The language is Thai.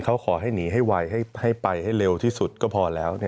เขาขอให้หนีให้ไวให้ไปให้เร็วที่สุดก็พอแล้ว